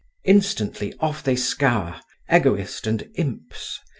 Instantly off they scour, Egoist and imps.